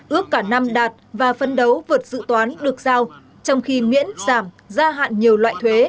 ước cả năm đạt và phấn đấu vượt dự toán được giao trong khi miễn giảm gia hạn nhiều loại thuế